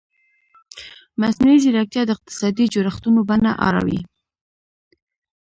مصنوعي ځیرکتیا د اقتصادي جوړښتونو بڼه اړوي.